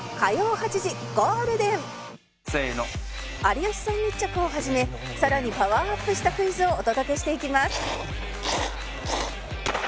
有吉さん密着をはじめ更にパワーアップしたクイズをお届けしていきます